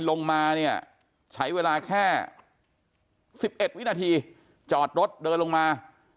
ลงมาเนี่ยใช้เวลาแค่๑๑วินาทีจอดรถเดินลงมา